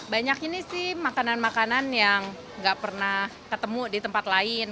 banyak ini sih makanan makanan yang gak pernah ketemu di tempat lain